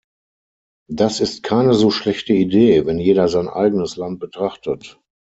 Das ist keine so schlechte Idee, wenn jeder sein eigenes Land betrachtet.